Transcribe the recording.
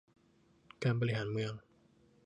การบริหารเมือง